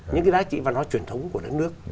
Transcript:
những cái giá trị văn hóa truyền thống của đất nước